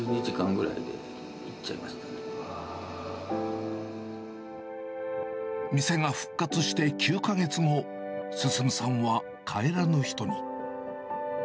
１２時間ぐらいで逝っちゃい店が復活して９か月後、進さんは帰らぬ人に。